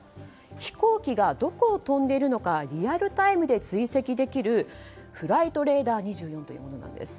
飛行機がどこを飛んでいるのかリアルタイムで追跡できるフライトレーダー２４というものです。